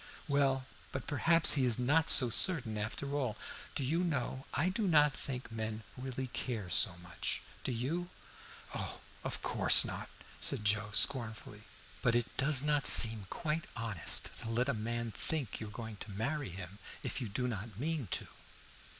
"Well, but perhaps he is not so certain, after all. Do you know, I do not think men really care so much; do you?" "Oh, of course not," said Joe scornfully. "But it does not seem quite honest to let a man think you are going to marry him if you do not mean to."